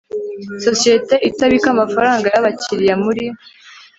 sosiyete itabika amafaranga y abakiriya muri